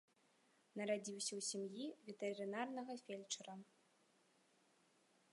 Нарадзіўся ў сям'і ветэрынарнага фельчара.